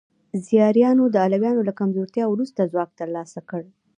زیاریانو د علویانو له کمزورتیا وروسته ځواک ترلاسه کړ.